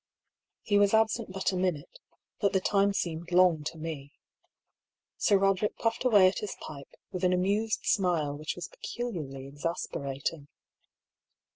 He was absent but a minute, but the time seemed long to me. Sir Eoderick puffed away at his pipe, with an amused smile which was peculiarly exasperating.